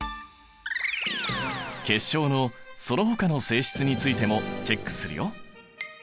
結晶のそのほかの性質についてもチェックするよ！